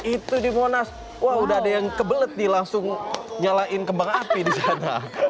itu di monas wah udah ada yang kebelet nih langsung nyalain kembang api di sana